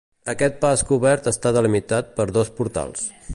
Aquest pas cobert està delimitat per dos portals.